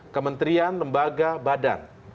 kementerian lembaga badan